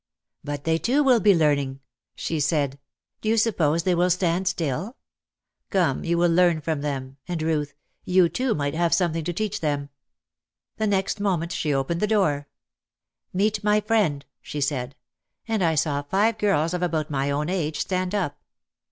"But they too will be learning," she said. "Do you suppose they will stand still ? Come, you will learn from them. And, Ruth, you too might have something to teach them." The next moment she opened the door. "Meet my friend," she said, and I saw five girls of about my own age stand up.